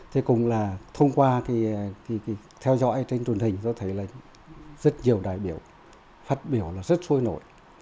thế cũng là thông qua theo dõi trên truyền hình tôi thấy là rất nhiều đại biểu phát biểu là rất sôi nổi